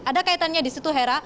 ada kaitannya di situ hera